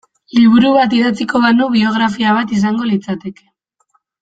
Liburu bat idatziko banu biografia bat izango litzateke.